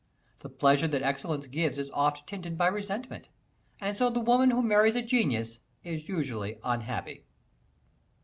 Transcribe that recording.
The pleasure that excellence gives is oft tainted by resentment; and so the woman who marries a genius is usually unhappy.